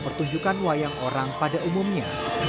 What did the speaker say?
pertunjukan wayang orang pada umumnya